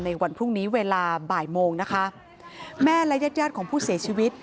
วันพรุ่งนี้เวลาบ่ายโมงนะคะแม่และญาติญาติของผู้เสียชีวิต